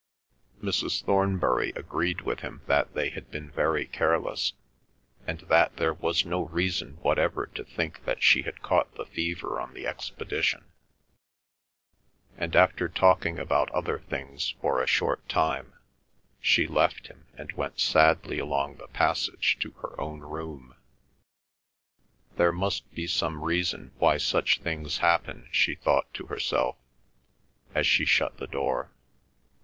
Mrs. Thornbury agreed with him that they had been very careless, and that there was no reason whatever to think that she had caught the fever on the expedition; and after talking about other things for a short time, she left him and went sadly along the passage to her own room. There must be some reason why such things happen, she thought to herself, as she shut the door.